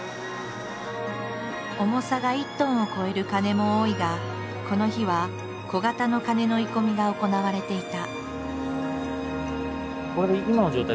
重さが１トンを超える鐘も多いがこの日は小型の鐘の鋳込みが行われていた。